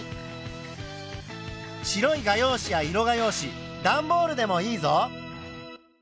白い画用紙や色画用紙だんボールでもいいぞ。